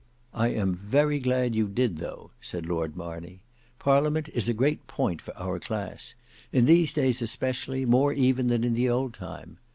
"I am very glad you did though," said Lord Marney; "Parliament is a great point for our class: in these days especially, more even than in the old time.